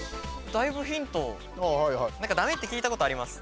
だめって聞いたことあります。